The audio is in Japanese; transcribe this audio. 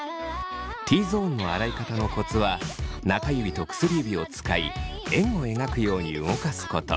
Ｔゾーンの洗い方のコツは中指と薬指を使い円を描くように動かすこと。